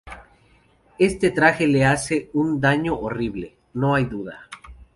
Este traje le hace un daño horrible, no hay duda.